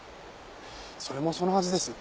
それもそのはずです。